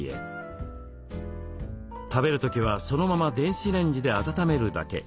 食べる時はそのまま電子レンジで温めるだけ。